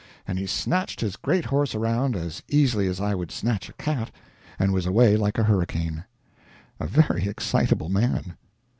and he snatched his great horse around as easily as I would snatch a cat, and was away like a hurricane. A very excitable man.